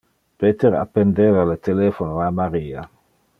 Peter appendeva le telephono a Maria.